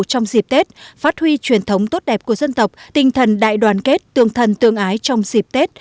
trong dịp tết phát huy truyền thống tốt đẹp của dân tộc tinh thần đại đoàn kết tương thân tương ái trong dịp tết